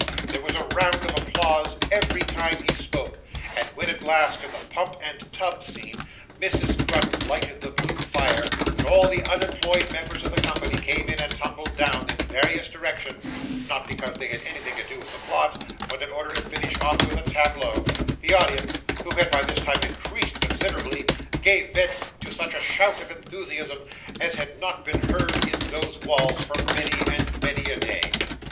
There was a round of applause every time he spoke. And when, at last, in the pump and tub scene, Mrs Grudden lighted the blue fire, and all the unemployed members of the company came in, and tumbled down in various directions not because that had anything to do with the plot, but in order to finish off with a tableau the audience (who had by this time increased considerably) gave vent to such a shout of enthusiasm as had not been heard in those walls for many and many a day.